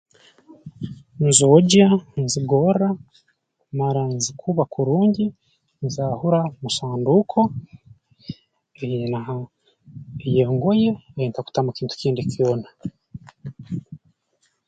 Nzoogya nzigorra mmara nzikuba kurungi nzaahura mu sanduuko nyina ha y'engoye ei ntakutamu kintu kindi kyona